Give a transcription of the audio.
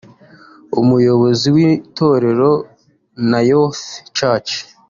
Umuyobozi w’itorero Nayoth Church